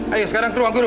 ayo sekarang ke ruang guru